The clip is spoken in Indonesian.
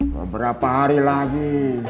beberapa hari lagi